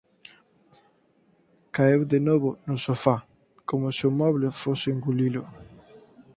Caeu de novo no sofá, coma se o moble fose a engulilo.